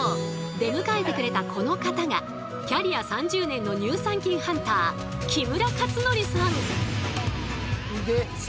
出迎えてくれたこの方がキャリア３０年の乳酸菌ハンターそう